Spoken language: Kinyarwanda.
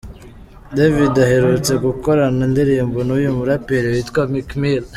David aherutse gukorana indirimbo n'uyu muraperi witwa Meek Mill.